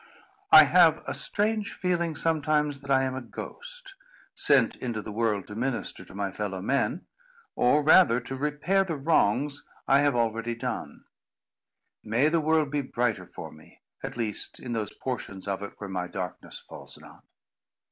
I have a strange feeling sometimes, that I am a ghost, sent into the world to minister to my fellow men, or, rather, to repair the wrongs I have already done. May the world be brighter for me, at least in those portions of it, where my darkness falls not.